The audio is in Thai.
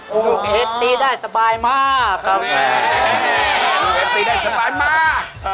ลูกเอสตีได้สบายมากครับเอ่ยลูกเอสตีได้สบายมาก